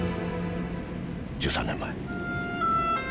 １３年前。